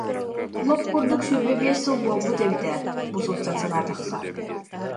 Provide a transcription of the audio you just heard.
Лоп курдук сүүрбэ биэс сыл буолбут эбит ээ, бу сылдьан санаатахха